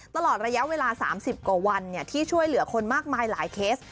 ตลอดระยะเวลา๓๐กว่าวันที่ช่วยเหลือคนมากมายหลายเคส